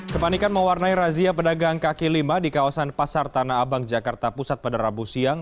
kepanikan mewarnai razia pedagang kaki lima di kawasan pasar tanah abang jakarta pusat pada rabu siang